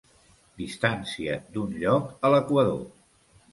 Distància d'un lloc a l'equador.